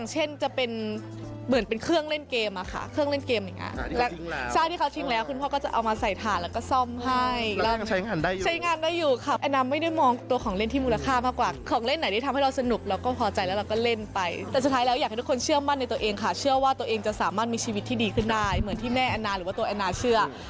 เหมือนที่แม่แอนน่าหรือว่าตัวแอนน่าเชื่อ